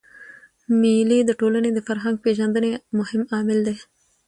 مېلې د ټولني د فرهنګ پېژندني مهم عامل دئ.